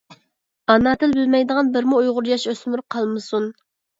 ئانا تىل بىلمەيدىغان بىرمۇ ئۇيغۇر ياش-ئۆسمۈر قالمىسۇن!